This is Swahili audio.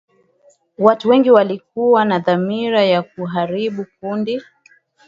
watu wengi walikuwa na dhamira ya kuharibu kundi